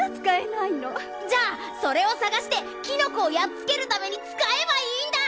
じゃあそれをさがしてキノコをやっつけるためにつかえばいいんだ！